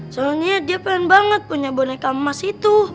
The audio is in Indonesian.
soalnya dia pengen banget punya boneka emas itu